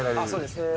あそうです。